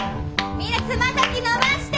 みんな爪先伸ばして！